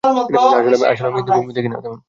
আসলে আমি হিন্দি মুভি দেখি না।